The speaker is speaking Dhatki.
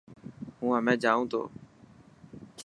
هون همي جانون ٿو.